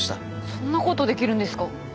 そんなことできるんですか？